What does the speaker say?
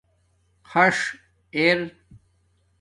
خَݽ اِر